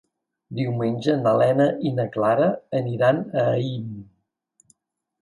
Diumenge na Lena i na Clara aniran a Aín.